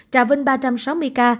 trà vinh ba trăm sáu mươi ca